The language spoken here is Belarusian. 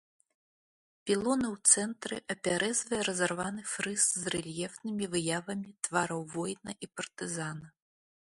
Пілоны ў цэнтры апяразвае разарваны фрыз з рэльефнымі выявамі твараў воіна і партызана.